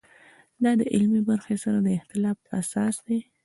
دا د علمي برخې سره د اختلاف اساس دی.